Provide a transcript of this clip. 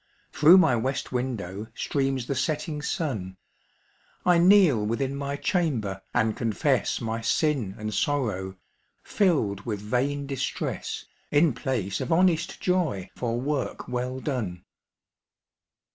Through my west window streams the setting sun. I kneel within my chamber, and confess My sin and sorrow, filled with vain distress, In place of honest joy for work well done.